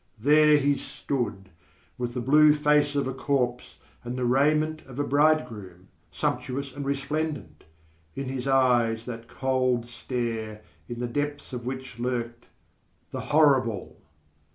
There he stood, with the blue face of a corpse and the raiment of a bridegroom, sumptuous and resplendent, in his eyes that cold stare in the depths of which lurked _The Horrible!